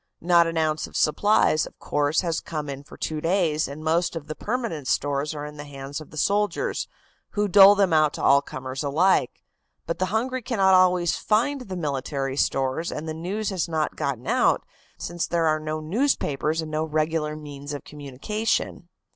Not an ounce of supplies, of course, has come in for two days, and most of the permanent stores are in the hands of the soldiers, who dole them out to all comers alike. But the hungry cannot always find the military stores and the news has not gotten about, since there are no newspapers and no regular means of communication.